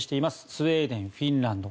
スウェーデン、フィンランド。